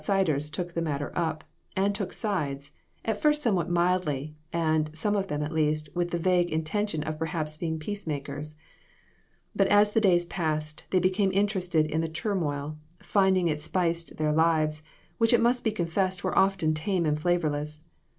203 siders took the matter up, and took sides, at first somewhat mildly, and, some of them at least, with the vague intention of perhaps being peacemakers. But as the days passed, they became interested in the turmoil, finding it spiced their lives, which it must be confessed were often tame and flavorless.